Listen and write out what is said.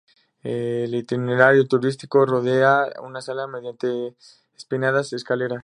El itinerario turístico rodea esta sala mediante empinadas escaleras.